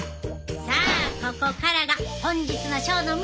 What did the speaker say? さあここからが本日のショーの見せ場やで！